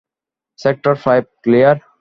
Sector five, clear.